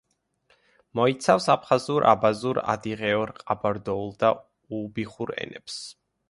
მოიცავს აფხაზურ, აბაზურ, ადიღეურ, ყაბარდოულ და უბიხურ ენებს.